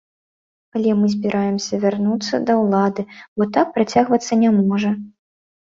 Але мы збіраемся вярнуцца да ўлады, бо так працягвацца не можа.